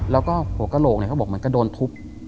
แล้วก็หัวกระโหลกเขาบอกเหมือนก็โดนทุบ